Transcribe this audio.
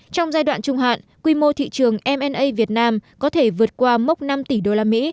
trong giai đoạn trung hạn quy mô thị trường m a việt nam có thể vượt qua mốc năm tỷ usd